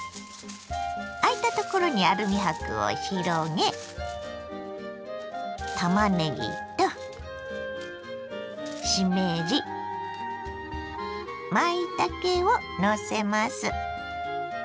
あいたところにアルミ箔を広げたまねぎとしめじまいたけをのせます。